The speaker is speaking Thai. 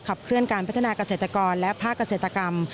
เคลื่อนการพัฒนาเกษตรกรและภาคเกษตรกรรม